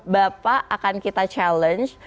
bapak akan kita challenge